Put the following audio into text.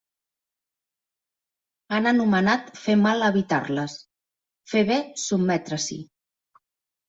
Han anomenat fer mal evitar-les, fer bé sotmetre-s'hi.